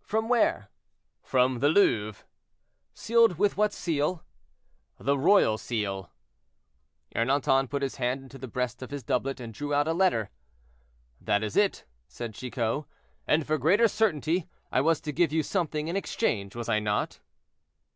"From where?" "From the Louvre." "Sealed with what seal?" "The royal seal." Ernanton put his hand into the breast of his doublet and drew out a letter. "That is it," said Chicot, "and for greater certainty, I was to give you something in exchange, was I not?"